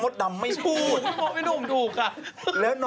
รถเมย์สตรองอยู่แล้ว